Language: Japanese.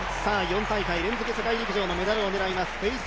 ４大会連続、世界陸上のメダルを狙います